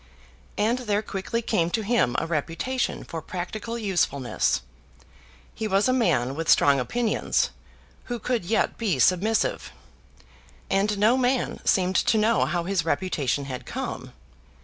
And there quickly came to him a reputation for practical usefulness. He was a man with strong opinions, who could yet be submissive. And no man seemed to know how his reputation had come.